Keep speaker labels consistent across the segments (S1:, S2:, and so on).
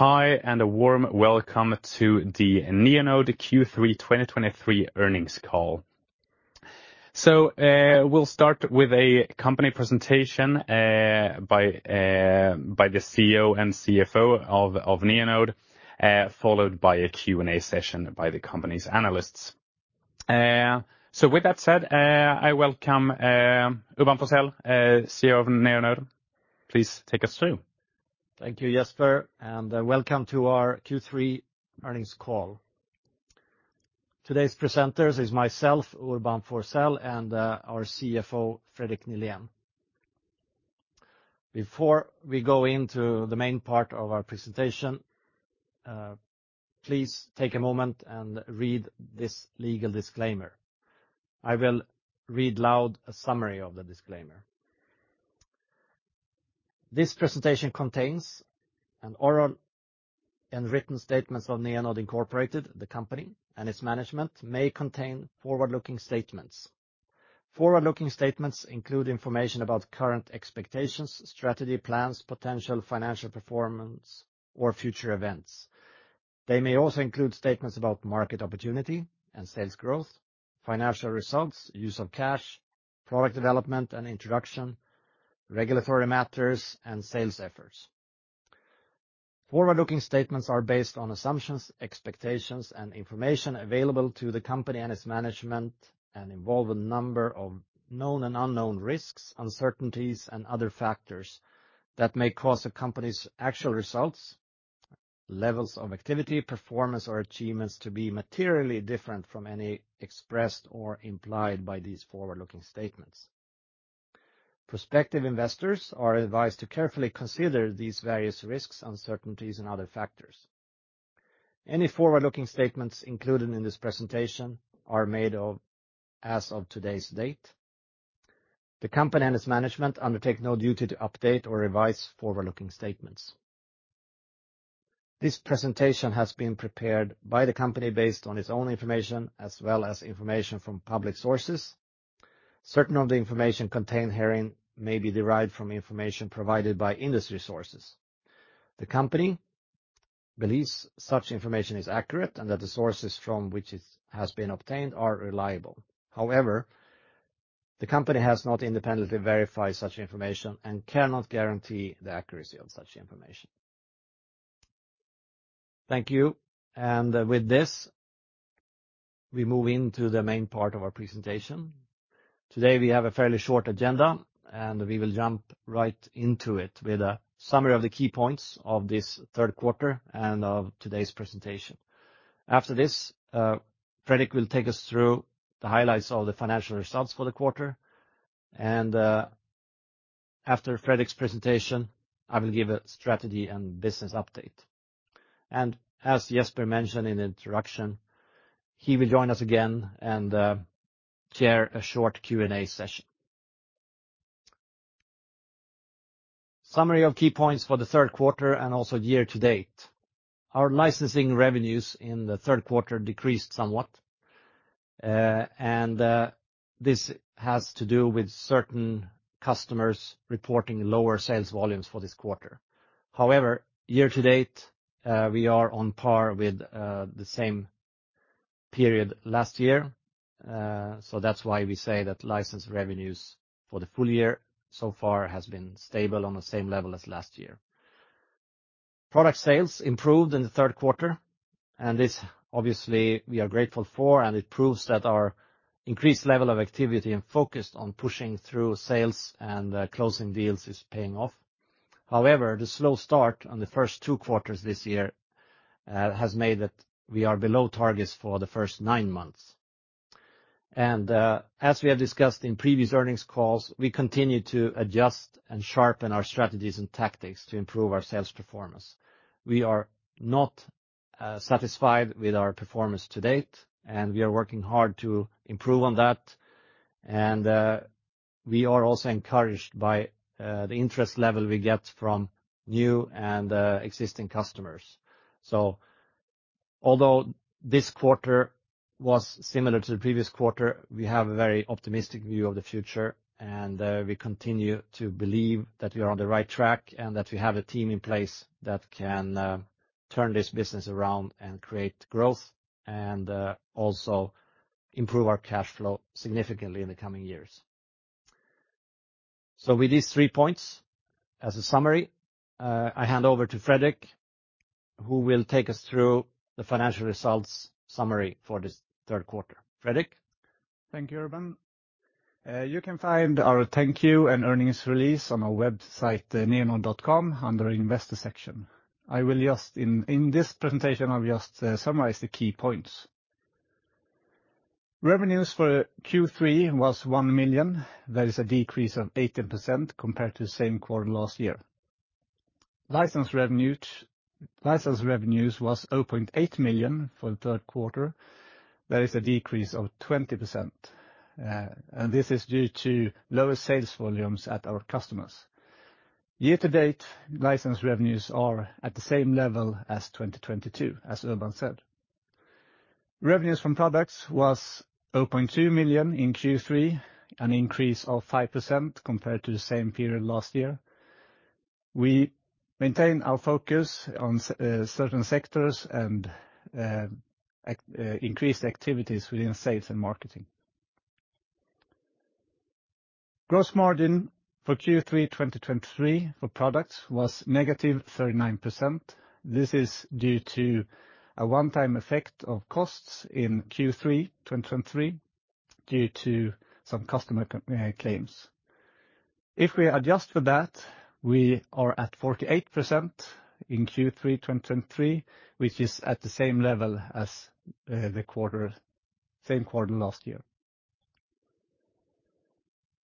S1: Hi, and a warm welcome to the Neonode Q3 2023 earnings call. So, we'll start with a company presentation by the CEO and CFO of Neonode, followed by a Q&A session by the company's analysts. So with that said, I welcome Urban Forssell, CEO of Neonode. Please take us through.
S2: Thank you, Jesper, and welcome to our Q3 earnings call. Today's presenters is myself, Urban Forssell, and our CFO, Fredrik Nihlén. Before we go into the main part of our presentation, please take a moment and read this legal disclaimer. I will read loud a summary of the disclaimer. This presentation contains an oral and written statements of Neonode Incorporated, the company, and its management may contain forward-looking statements. Forward-looking statements include information about current expectations, strategy, plans, potential financial performance, or future events. They may also include statements about market opportunity and sales growth, financial results, use of cash, product development and introduction, regulatory matters, and sales efforts. Forward-looking statements are based on assumptions, expectations, and information available to the company and its management, and involve a number of known and unknown risks, uncertainties, and other factors that may cause the company's actual results, levels of activity, performance, or achievements to be materially different from any expressed or implied by these forward-looking statements. Prospective investors are advised to carefully consider these various risks, uncertainties, and other factors. Any forward-looking statements included in this presentation are made as of today's date. The company and its management undertake no duty to update or revise forward-looking statements. This presentation has been prepared by the company based on its own information, as well as information from public sources. Certain of the information contained herein may be derived from information provided by industry sources. The company believes such information is accurate and that the sources from which it has been obtained are reliable. However, the company has not independently verified such information and cannot guarantee the accuracy of such information. Thank you. With this, we move into the main part of our presentation. Today, we have a fairly short agenda, and we will jump right into it with a summary of the key points of this third quarter and of today's presentation. After this, Fredrik will take us through the highlights of the financial results for the quarter, and after Fredrik's presentation, I will give a strategy and business update. As Jesper mentioned in the introduction, he will join us again and chair a short Q&A session. Summary of key points for the third quarter and also year to date. Our licensing revenues in the third quarter decreased somewhat, and this has to do with certain customers reporting lower sales volumes for this quarter. However, year to date, we are on par with the same period last year. So that's why we say that license revenues for the full year so far has been stable on the same level as last year. Product sales improved in the third quarter, and this, obviously, we are grateful for, and it proves that our increased level of activity and focus on pushing through sales and closing deals is paying off. However, the slow start on the first two quarters this year has made that we are below targets for the first nine months. As we have discussed in previous earnings calls, we continue to adjust and sharpen our strategies and tactics to improve our sales performance. We are not satisfied with our performance to date, and we are working hard to improve on that. We are also encouraged by the interest level we get from new and existing customers. So although this quarter was similar to the previous quarter, we have a very optimistic view of the future, and we continue to believe that we are on the right track and that we have a team in place that can turn this business around and create growth and also improve our cash flow significantly in the coming years. With these three points as a summary, I hand over to Fredrik, who will take us through the financial results summary for this third quarter. Fredrik?
S3: Thank you, Urban. You can find our thank you and earnings release on our website, neonode.com, under investor section. I will just in this presentation, I'll just summarize the key points. Revenues for Q3 was $1 million. That is a decrease of 18% compared to the same quarter last year. License revenues was $0.8 million for the third quarter. That is a decrease of 20%, and this is due to lower sales volumes at our customers. Year-to-date, license revenues are at the same level as 2022, as Urban said. Revenues from products was $0.2 million in Q3, an increase of 5% compared to the same period last year. We maintained our focus on certain sectors and increased activities within sales and marketing. Gross margin for Q3 2023 for products was -39%. This is due to a one-time effect of costs in Q3 2023, due to some customer claims. If we adjust for that, we are at 48% in Q3 2023, which is at the same level as the quarter, same quarter last year.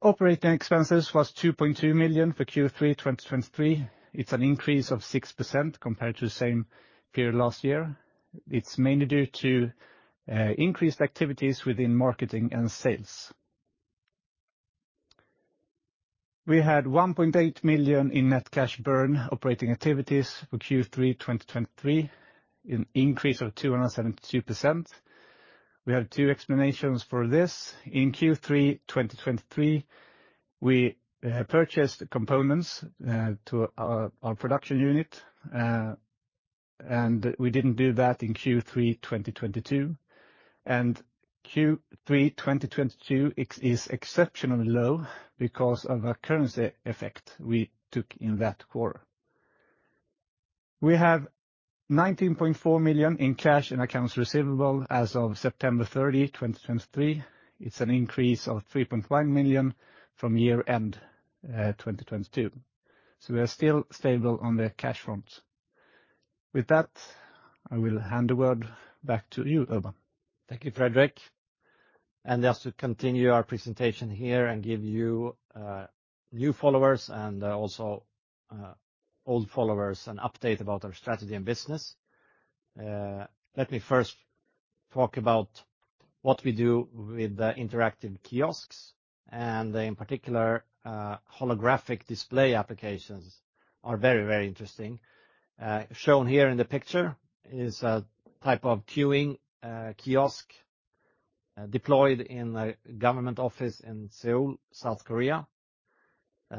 S3: Operating expenses was $2.2 million for Q3 2023. It's an increase of 6% compared to the same period last year. It's mainly due to increased activities within marketing and sales. We had $1.8 million in net cash burn operating activities for Q3 2023, an increase of 272%. We have two explanations for this. In Q3 2023, we purchased components to our production unit, and we didn't do that in Q3 2022, and Q3 2022 is exceptionally low because of a currency effect we took in that quarter. We have $19.4 million in cash and accounts receivable as of September 30, 2023. It's an increase of $3.1 million from year-end 2022. So we are still stable on the cash front. With that, I will hand the word back to you, Urban.
S2: Thank you, Fredrik. Just to continue our presentation here and give you new followers and also old followers an update about our strategy and business. Let me first talk about what we do with the interactive kiosks, and in particular, holographic display applications are very, very interesting. Shown here in the picture is a type of queuing kiosk deployed in a government office in Seoul, South Korea.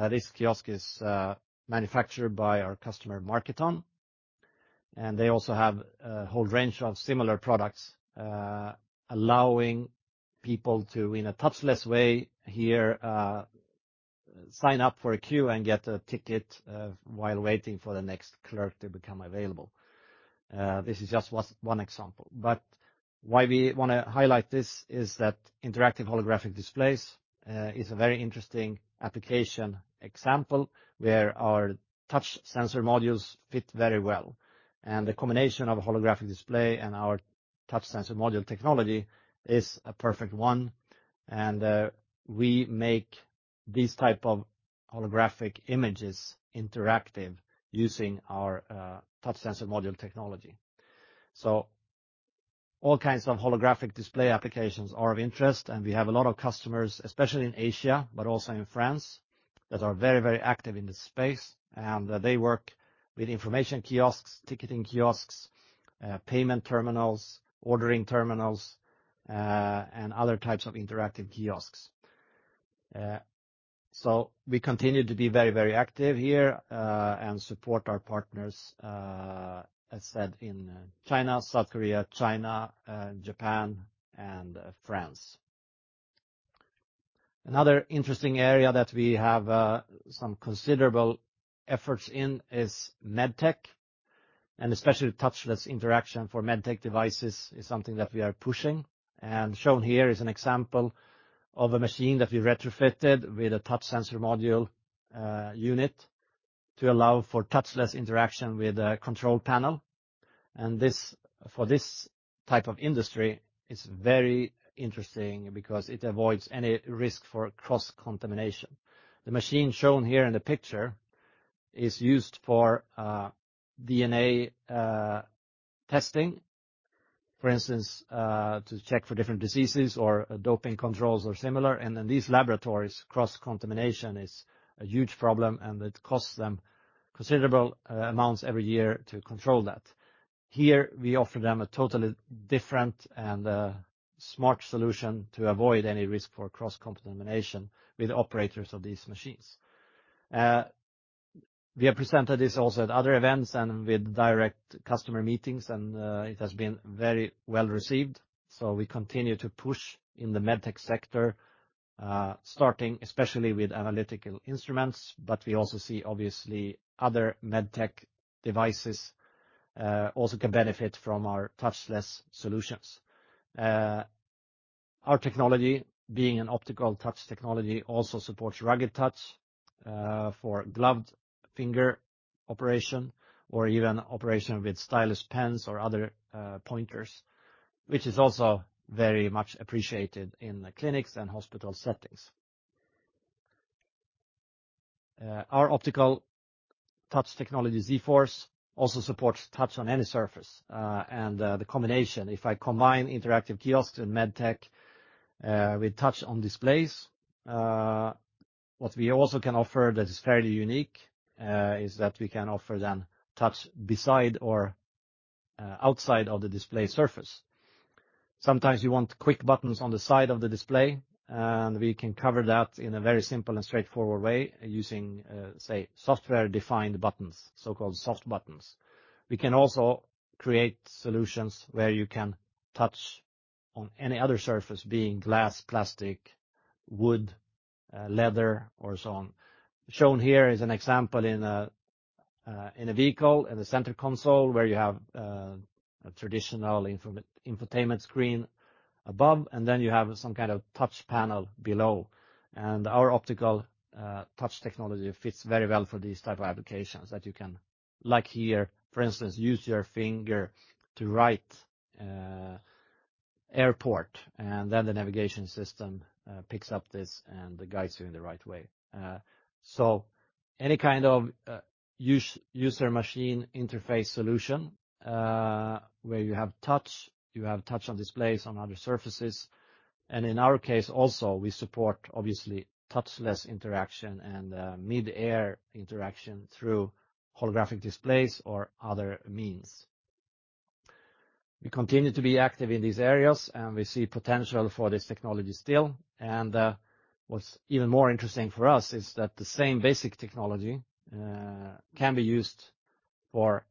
S2: This kiosk is manufactured by our customer, Marketon, and they also have a whole range of similar products allowing people to, in a touchless way here, sign up for a queue and get a ticket while waiting for the next clerk to become available. This is just one example, but why we want to highlight this is that interactive holographic displays is a very interesting application example where our touch sensor modules fit very well. And the combination of a holographic display and our touch sensor module technology is a perfect one, and we make these type of holographic images interactive using our touch sensor module technology. So all kinds of holographic display applications are of interest, and we have a lot of customers, especially in Asia, but also in France, that are very, very active in this space, and they work with information kiosks, ticketing kiosks, payment terminals, ordering terminals, and other types of interactive kiosks. So we continue to be very, very active here, and support our partners, as said in China, South Korea, Japan and France. Another interesting area that we have some considerable efforts in is MedTech, and especially touchless interaction for MedTech devices is something that we are pushing. Shown here is an example of a machine that we retrofitted with a Touch Sensor Module unit to allow for touchless interaction with a control panel. This, for this type of industry, is very interesting because it avoids any risk for cross-contamination. The machine shown here in the picture is used for DNA testing, for instance, to check for different diseases or doping controls or similar. In these laboratories, cross-contamination is a huge problem, and it costs them considerable amounts every year to control that. Here, we offer them a totally different and smart solution to avoid any risk for cross-contamination with operators of these machines. We have presented this also at other events and with direct customer meetings, and it has been very well received. So we continue to push in the MedTech sector, starting especially with analytical instruments, but we also see, obviously, other MedTech devices also can benefit from our touchless solutions. Our technology, being an optical touch technology, also supports rugged touch for gloved finger operation or even operation with stylus pens or other pointers, which is also very much appreciated in clinics and hospital settings. Our optical touch technology, zForce, also supports touch on any surface, and the combination, if I combine interactive kiosk and MedTech with touch on displays. What we also can offer that is fairly unique is that we can offer then touch beside or outside of the display surface. Sometimes you want quick buttons on the side of the display, and we can cover that in a very simple and straightforward way using, say, software-defined buttons, so-called soft buttons. We can also create solutions where you can touch on any other surface, being glass, plastic, wood, leather, or so on. Shown here is an example in a, in a vehicle, in the center console, where you have, a traditional infotainment screen above, and then you have some kind of touch panel below. Our optical touch technology fits very well for these type of applications that you can, like here, for instance, use your finger to write, airport, and then the navigation system, picks up this and guides you in the right way. So any kind of user-machine interface solution where you have touch, you have touch on displays, on other surfaces, and in our case also, we support, obviously, touchless interaction and mid-air interaction through holographic displays or other means. We continue to be active in these areas, and we see potential for this technology still. What's even more interesting for us is that the same basic technology can be used for,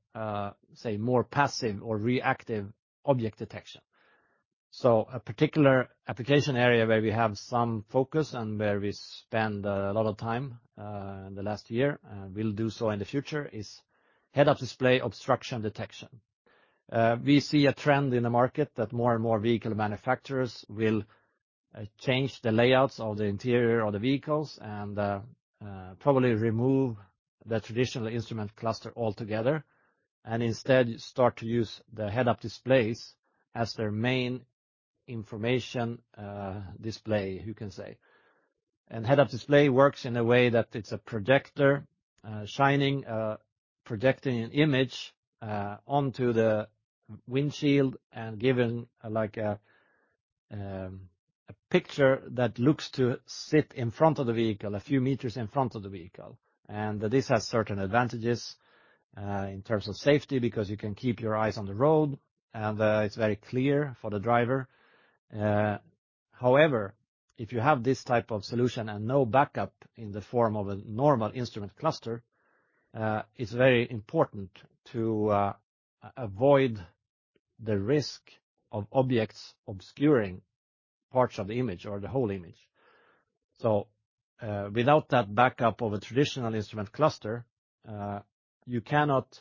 S2: say, more passive or reactive object detection. So a particular application area where we have some focus and where we spend a lot of time in the last year, and we'll do so in the future, is head-up display obstruction detection. We see a trend in the market that more and more vehicle manufacturers will change the layouts of the interior of the vehicles and probably remove the traditional instrument cluster altogether and instead start to use the Head-Up Displays as their main information display, you can say. Head-Up Display works in a way that it's a projector projecting an image onto the windshield and giving, like a picture that looks to sit in front of the vehicle, a few meters in front of the vehicle. This has certain advantages in terms of safety, because you can keep your eyes on the road, and it's very clear for the driver. However, if you have this type of solution and no backup in the form of a normal instrument cluster, it's very important to avoid the risk of objects obscuring parts of the image or the whole image. So, without that backup of a traditional instrument cluster, you cannot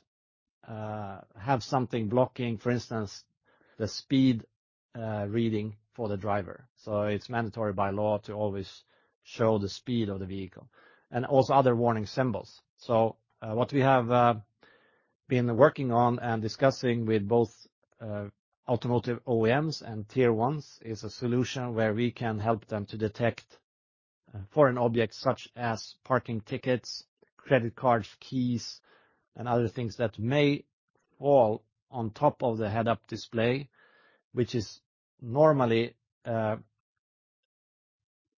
S2: have something blocking, for instance, the speed reading for the driver. So it's mandatory by law to always show the speed of the vehicle and also other warning symbols. So what we have been working on and discussing with both automotive OEMs and Tier 1s is a solution where we can help them to detect foreign objects such as parking tickets, credit cards, keys, and other things that may fall on top of the Head-Up Display, which is normally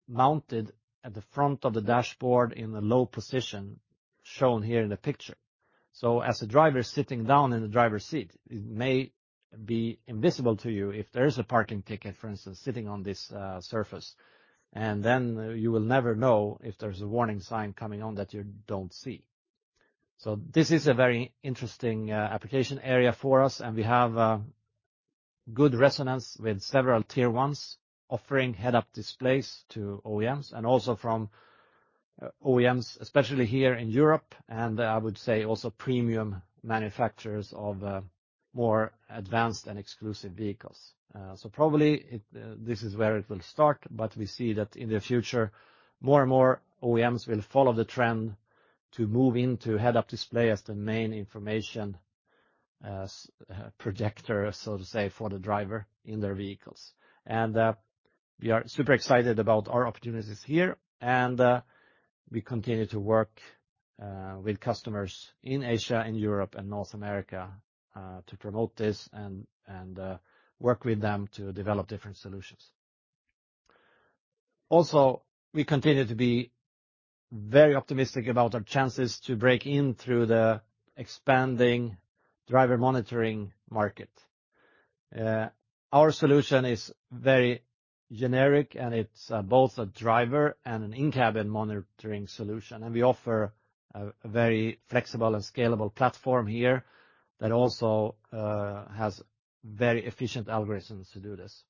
S2: mounted at the front of the dashboard in a low position, shown here in the picture. So as a driver is sitting down in the driver's seat, it may be invisible to you if there is a parking ticket, for instance, sitting on this surface, and then you will never know if there's a warning sign coming on that you don't see. So this is a very interesting application area for us, and we have a good resonance with several Tier 1s offering head-up displays to OEMs and also from OEMs, especially here in Europe, and I would say also premium manufacturers of more advanced and exclusive vehicles. So probably it, this is where it will start, but we see that in the future, more and more OEMs will follow the trend to move into head-up display as the main information projector, so to say, for the driver in their vehicles. And we are super excited about our opportunities here, and we continue to work with customers in Asia and Europe and North America to promote this and work with them to develop different solutions. Also, we continue to be very optimistic about our chances to break in through the expanding driver monitoring market. Our solution is very generic, and it's both a driver and an in-cabin monitoring solution, and we offer a very flexible and scalable platform here that also has very efficient algorithms to do this.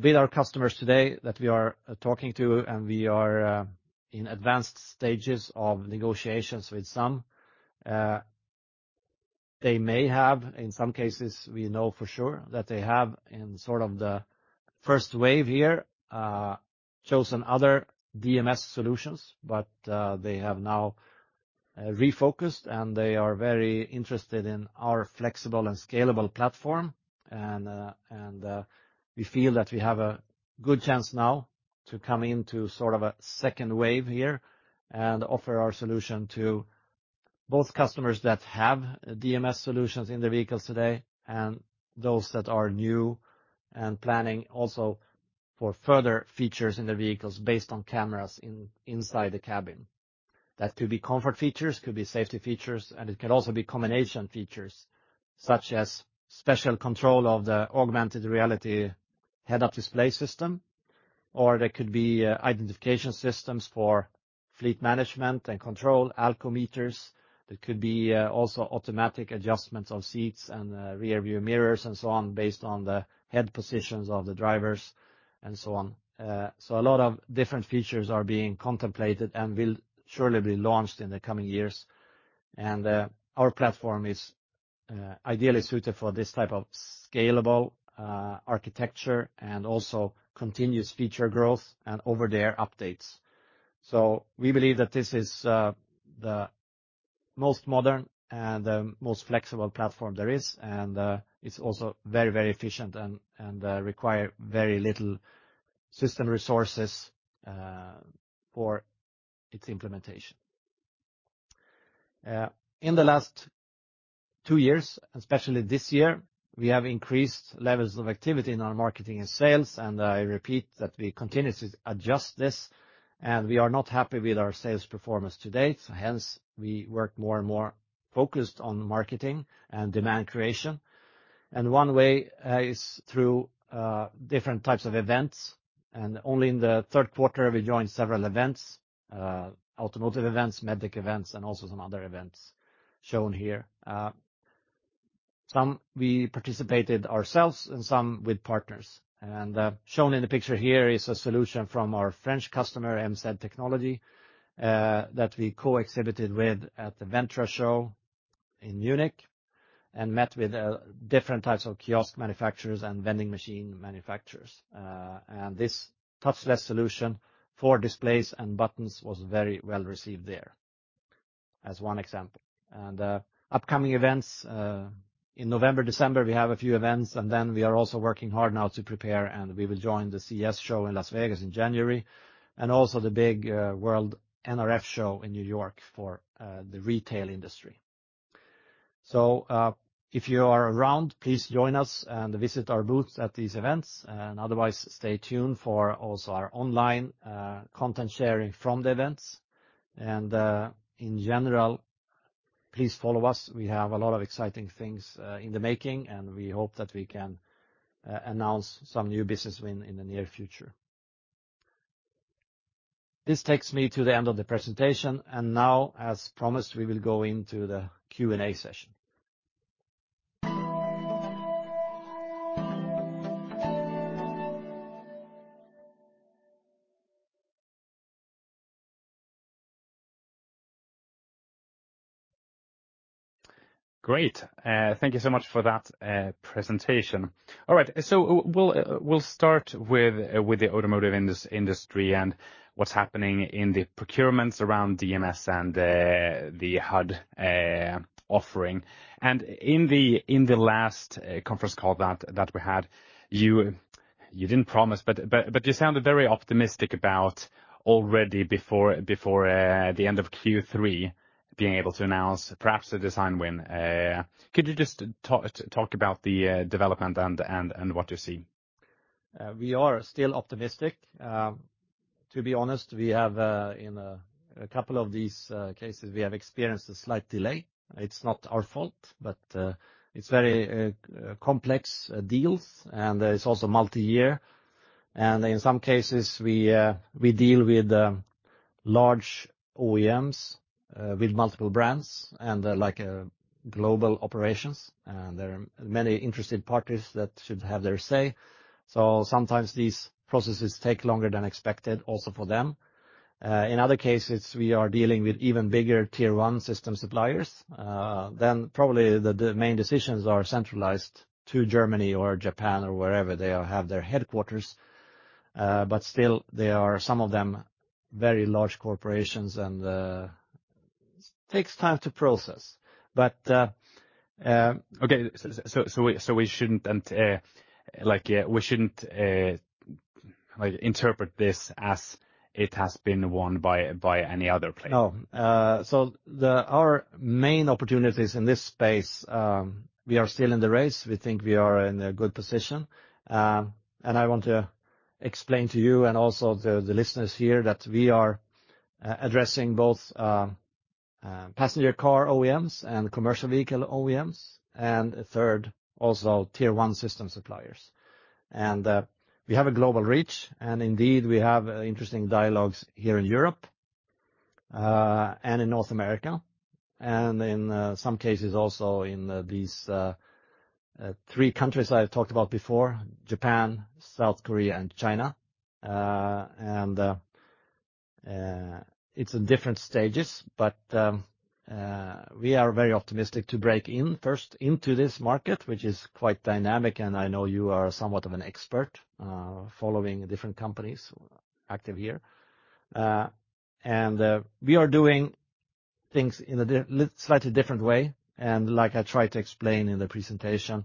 S2: With our customers today that we are talking to, and we are in advanced stages of negotiations with some, they may have, in some cases, we know for sure that they have, in sort of the first wave here, chosen other DMS solutions, but they have now refocused, and they are very interested in our flexible and scalable platform. We feel that we have a good chance now to come into sort of a second wave here and offer our solution to- Both customers that have DMS solutions in their vehicles today, and those that are new and planning also for further features in the vehicles based on cameras inside the cabin. That could be comfort features, could be safety features, and it could also be combination features, such as special control of the augmented reality head-up display system. Or there could be identification systems for fleet management and control, alcohol meters. There could be also automatic adjustments of seats and rear view mirrors, and so on, based on the head positions of the drivers, and so on. A lot of different features are being contemplated and will surely be launched in the coming years. Our platform is ideally suited for this type of scalable architecture and also continuous feature growth and over-the-air updates. So we believe that this is the most modern and the most flexible platform there is, and it's also very, very efficient and require very little system resources for its implementation. In the last two years, especially this year, we have increased levels of activity in our marketing and sales, and I repeat that we continue to adjust this, and we are not happy with our sales performance to date. Hence, we work more and more focused on marketing and demand creation. And one way is through different types of events, and only in the third quarter, we joined several events, automotive events, medic events, and also some other events shown here. Some we participated ourselves and some with partners. Shown in the picture here is a solution from our French customer, MZ Technologie, that we co-exhibited with at the Vendtra Show in Munich and met with different types of kiosk manufacturers and vending machine manufacturers. This touchless solution for displays and buttons was very well received there, as one example. Upcoming events in November, December, we have a few events, and then we are also working hard now to prepare, and we will join the CES show in Las Vegas in January, and also the big world NRF show in New York for the retail industry. So, if you are around, please join us and visit our booth at these events, and otherwise, stay tuned for also our online content sharing from the events. In general, please follow us. We have a lot of exciting things in the making, and we hope that we can announce some new business win in the near future. This takes me to the end of the presentation, and now, as promised, we will go into the Q&A session.
S1: Great. Thank you so much for that presentation. All right, so we'll start with the automotive industry and what's happening in the procurements around DMS and the HUD offering. And in the last conference call that we had, you didn't promise, but you sounded very optimistic about already before the end of Q3, being able to announce perhaps a design win. Could you just talk about the development and what you see?
S2: We are still optimistic. To be honest, we have, in a couple of these cases, we have experienced a slight delay. It's not our fault, but it's very complex deals, and it's also multi-year. In some cases, we deal with large OEMs with multiple brands and like a global operations, and there are many interested parties that should have their say. Sometimes these processes take longer than expected, also for them. In other cases, we are dealing with even bigger Tier 1 system suppliers. Probably the main decisions are centralized to Germany or Japan or wherever they have their headquarters. Still they are, some of them, very large corporations, and takes time to process. But
S1: Okay, so we shouldn't, like, interpret this as it has been won by any other player?
S2: No. So our main opportunities in this space, we are still in the race. We think we are in a good position. And I want to explain to you and also the listeners here that we are addressing both passenger car OEMs and commercial vehicle OEMs, and a third, also Tier 1 system suppliers. And we have a global reach, and indeed, we have interesting dialogues here in Europe and in North America, and in some cases, also in these three countries I've talked about before, Japan, South Korea, and China. And it's in different stages, but we are very optimistic to break in, first into this market, which is quite dynamic, and I know you are somewhat of an expert following different companies active here. And we are doing things in a slightly different way. And like I tried to explain in the presentation,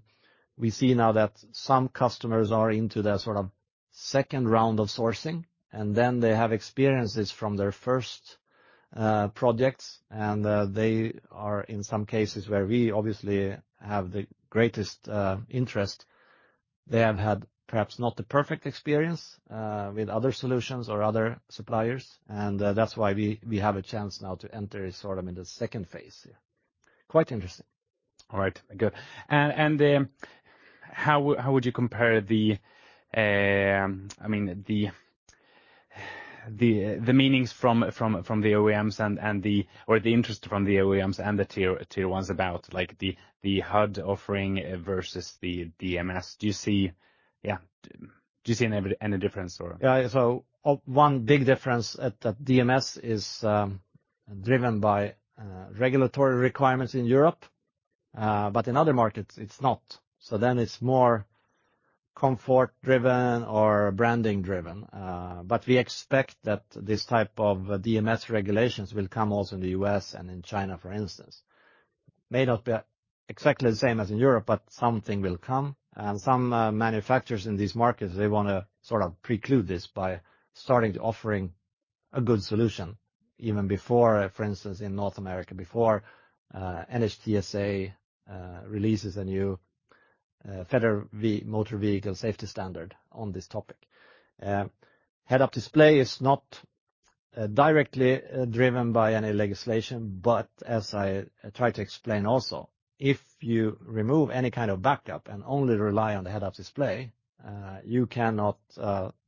S2: we see now that some customers are into the sort of second round of sourcing, and then they have experiences from their first projects, and they are in some cases where we obviously have the greatest interest. They have had perhaps not the perfect experience with other solutions or other suppliers, and that's why we have a chance now to enter sort of in the second phase.
S1: Yeah, quite interesting. All right, good. And how would you compare the, I mean, the meetings from the OEMs and or the interest from the OEMs and the Tier 1s about, like, the HUD offering versus the DMS? Do you see-- Yeah, do you see any difference, or?
S2: Yeah, so one big difference at the DMS is, driven by, regulatory requirements in Europe, but in other markets, it's not. So then it's more comfort-driven or branding-driven, but we expect that this type of DMS regulations will come also in the U.S. and in China, for instance. May not be exactly the same as in Europe, but something will come. And some, manufacturers in these markets, they wanna sort of preclude this by starting to offering a good solution even before, for instance, in North America, before, NHTSA, releases a new, Federal Motor Vehicle Safety Standard on this topic. Head-Up Display is not directly driven by any legislation, but as I try to explain also, if you remove any kind of backup and only rely on the Head-Up Display, you cannot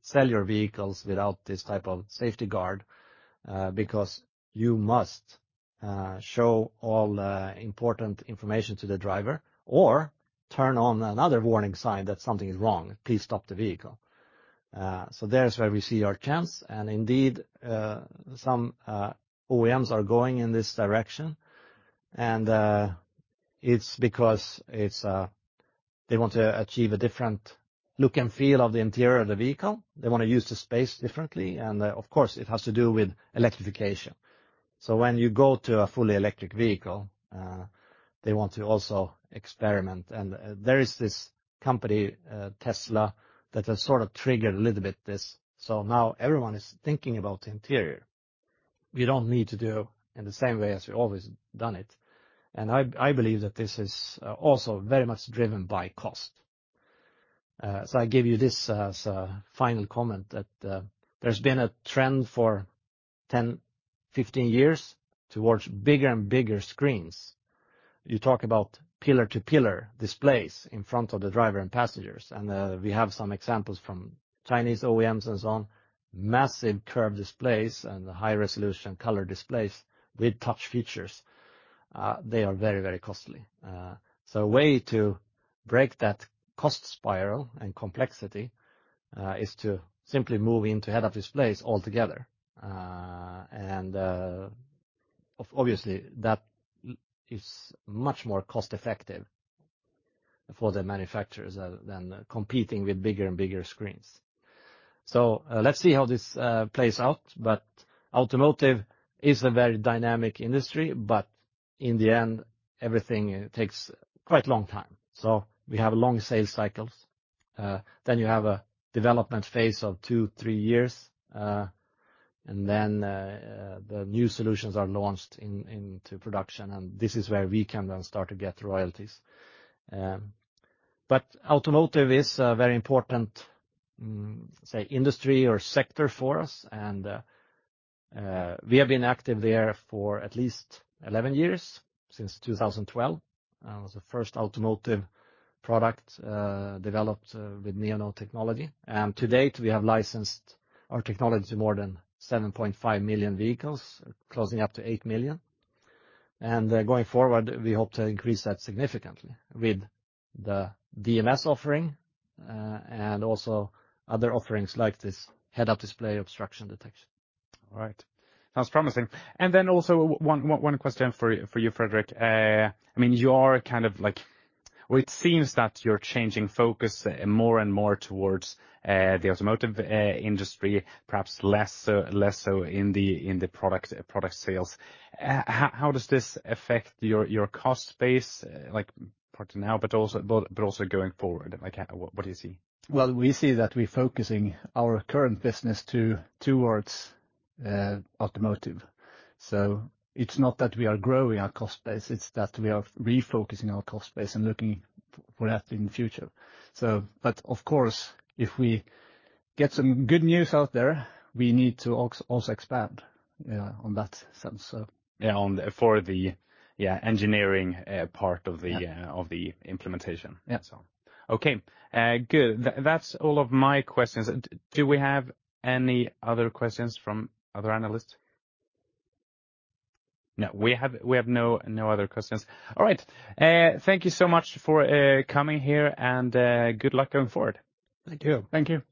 S2: sell your vehicles without this type of safety guard, because you must show all important information to the driver or turn on another warning sign that something is wrong, "Please stop the vehicle." So there's where we see our chance, and indeed, some OEMs are going in this direction. It's because they want to achieve a different look and feel of the interior of the vehicle. They wanna use the space differently, and, of course, it has to do with electrification. So when you go to a fully electric vehicle, they want to also experiment. There is this company, Tesla, that has sort of triggered a little bit this. So now everyone is thinking about the interior. We don't need to do in the same way as we've always done it. And I believe that this is also very much driven by cost. So I give you this as a final comment, that there's been a trend for 10, 15 years towards bigger and bigger screens. You talk about pillar to pillar displays in front of the driver and passengers, and we have some examples from Chinese OEMs and so on. Massive curved displays and high-resolution color displays with touch features, they are very, very costly. So a way to break that cost spiral and complexity is to simply move into head-up displays altogether. Obviously, that is much more cost-effective for the manufacturers than competing with bigger and bigger screens. So, let's see how this plays out, but automotive is a very dynamic industry, but in the end, everything takes quite a long time. So we have long sales cycles, then you have a development phase of two to three years, and then the new solutions are launched into production, and this is where we can then start to get royalties. But automotive is a very important, say, industry or sector for us, and we have been active there for at least 11 years, since 2012. It was the first automotive product developed with Neonode technology. And to date, we have licensed our technology to more than 7.5 million vehicles, closing up to 8 million. Going forward, we hope to increase that significantly with the DMS offering, and also other offerings like this head-up display obstruction detection.
S1: All right. Sounds promising. And then also one question for you, Fredrik. I mean, you are kind of like... Well, it seems that you're changing focus more and more towards the automotive industry, perhaps less so in the product sales. How does this affect your cost base, like part now, but also going forward? Like, what do you see?
S3: Well, we see that we're focusing our current business towards automotive. So it's not that we are growing our cost base, it's that we are refocusing our cost base and looking for that in the future. But of course, if we get some good news out there, we need to also expand on that sense, so.
S1: Yeah, on the engineering part of the-
S2: Yeah...
S1: of the implementation.
S2: Yeah.
S1: Okay, good. That's all of my questions. Do we have any other questions from other analysts? No, we have no other questions. All right, thank you so much for coming here and good luck going forward.
S2: Thank you.
S1: Thank you.